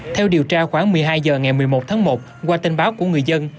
theo điều tra khoảng một mươi hai h ngày một mươi một tháng một qua tin báo của người dân